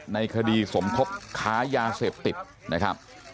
ในคดีสมคบค้ายาเสพติดนะครับ